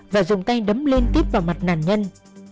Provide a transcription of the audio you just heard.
và dùng tay đấm liên tiếp vào mặt nạn nhân